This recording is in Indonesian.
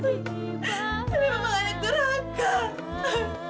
saya memang anak gerakan